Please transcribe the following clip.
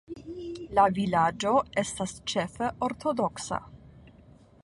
La vilaĝo estas ĉefe ortodoksa.